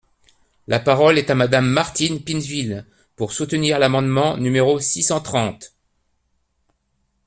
La parole est à Madame Martine Pinville, pour soutenir l’amendement numéro six cent trente.